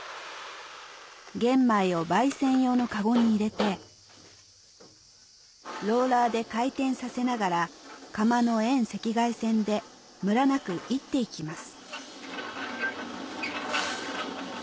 玄米を焙煎用のカゴに入れてローラーで回転させながら窯の遠赤外線でムラなく煎って行きます